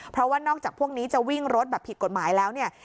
เพราะว่านอกจากพวกนี้จะวิ่งรถแบบผิดกฎหมายแล้วเนี่ย